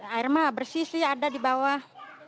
air mah bersih sih ada di bawah